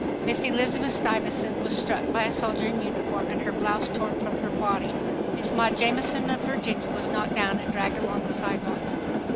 Miss Elizabeth Stuyvesant was struck by a soldier in uniform and her blouse torn from her body. Miss Maud Jamison of Virginia was knocked down and dragged along the sidewalk.